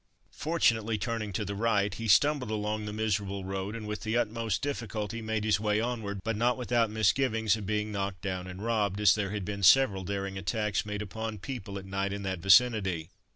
Fortunately turning to the right, he stumbled along the miserable road, and with the utmost difficulty made his way onward, but not without misgivings of being knocked down and robbed, as there had been several daring attacks made upon people at night in that vicinity.